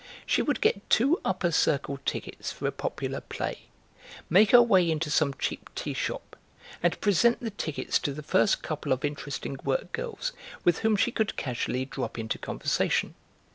She would get two upper circle tickets for a popular play, make her way into some cheap tea shop, and present the tickets to the first couple of interesting work girls with whom she could casually drop into conversation.